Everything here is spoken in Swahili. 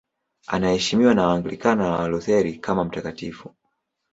Anaheshimiwa na Waanglikana na Walutheri kama mtakatifu.